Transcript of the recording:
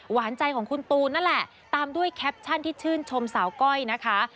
หวานใจของคุณตูนนั่นแหละตามด้วยแคปชั่นที่ชื่นชมสาวก้อยนะคะ